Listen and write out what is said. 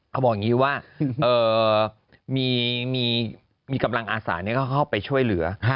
เขาบอกอย่างนี้ว่ามีกำลังอาสาเข้าไปช่วยเหลือ